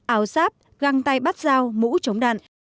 ảo giáp găng tay bắt dao mũ chống đạn